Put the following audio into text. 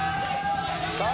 さあ